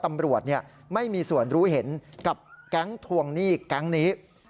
ตำรวจไม่มีส่วนรู้เห็นกับแก๊งทวงหนี้แก๊งนี้